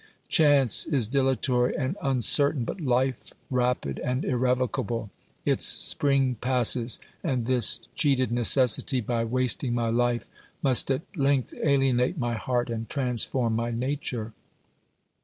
Chance is dilatory and uncertain, but life rapid and irrevocable; its spring passes, and this cheated necessity, by wasting my life, must at length alienate my heart and transform my nature.